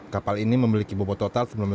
kapal ini memiliki bobot total